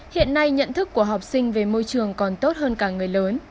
hiện nay nhận thức của học sinh về môi trường còn tốt hơn cả người lớn